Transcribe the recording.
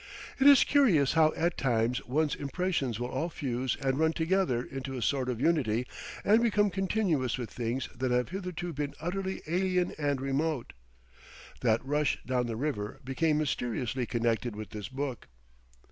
It is curious how at times one's impressions will all fuse and run together into a sort of unity and become continuous with things that have hitherto been utterly alien and remote. That rush down the river became mysteriously connected with this book.